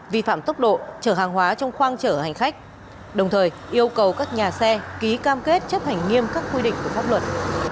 vi phạm tốc độ chở hàng hóa trong khoang chở hành khách đồng thời yêu cầu các nhà xe ký cam kết chấp hành nghiêm các quy định của pháp luật